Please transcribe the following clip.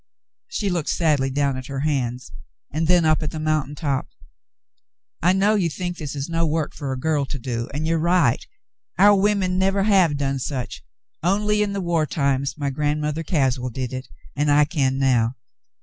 She looked sadly down at her hands and then up at the mountain top. "I know you think this is no work for a girl to do, and you are right. Our women never have done such. Only in the war times my Grandmother Caswell did it, and I can now.